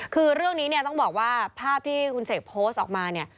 คือเรื่องนี้ต้องบอกว่าภาพที่คุณเศกโพสต์ออกมา